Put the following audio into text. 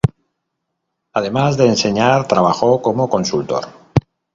Además de enseñar, trabajó como consultor.